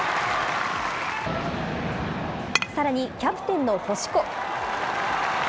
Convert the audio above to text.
さらにキャプテンの星子。